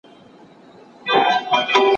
بدن د ژوند لپاره مهم دی.